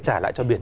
trả lại cho biển